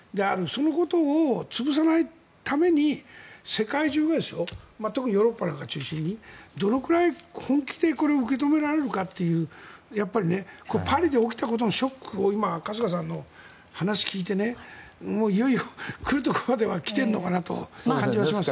そのことを潰さないために世界中が全くヨーロッパなんかを中心にどのくらい本気でこれを受け止められるかというパリで起きたことのショックを今、春日さんの話を聞いていよいよ来るところまでは来ているのかなという感じがします。